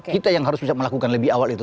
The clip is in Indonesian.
kita yang harus bisa melakukan lebih awal itu